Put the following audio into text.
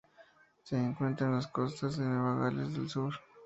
Se encuentra en las costas de Nueva Gales del Sur.